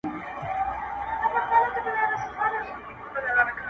o هم ښکاري ؤ هم جنګي ؤ هم غښتلی,